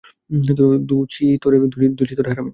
দুচি তোরে, হারামি!